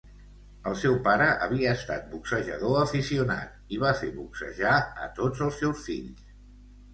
El seu pare havia estat boxejador aficionat i va fer boxejar a tots els seus fills.